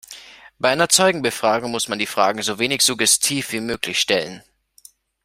Bei einer Zeugenbefragung muss man die Fragen so wenig suggestiv wie möglich stellen.